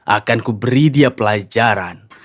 akanku beri dia pelajaran